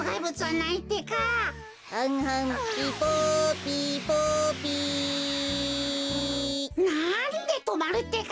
なんでとまるってか！